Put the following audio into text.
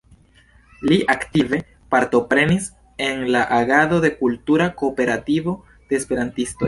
Li aktive partoprenis en la agado de Kultura Kooperativo de Esperantistoj.